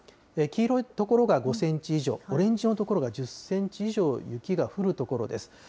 黄色い所が５センチ以上、オレンジの所が１０センチ以上雪が降る所です。